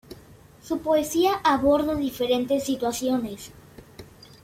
Su poesía aborda diferentes situaciones.